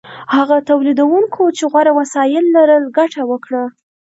هغو تولیدونکو چې غوره وسایل لرل ګټه وکړه.